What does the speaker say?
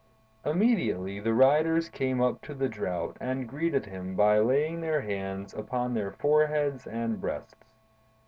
Immediately, the riders came up to the Drought and greeted him by laying their hands upon their foreheads and breasts.